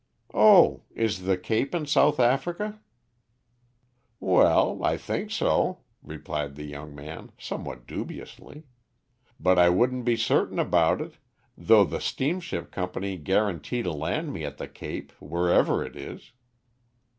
"Oh, is the Cape in South Africa?" "Well, I think so," replied the young man, somewhat dubiously, "but I wouldn't be certain about it, though the steamship company guarantee to land me at the Cape, wherever it is."